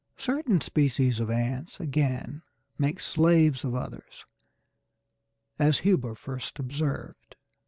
Certain species of ants, again, make slaves of others, as Huber first observed.